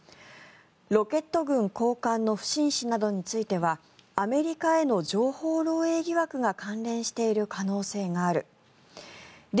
ロケット軍高官の不審死などについてはアメリカへの情報漏えい疑惑が関連している可能性があるリ